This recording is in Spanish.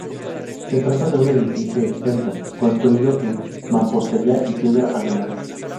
Se trata de un edificio exento, construido en mampostería y piedra angular.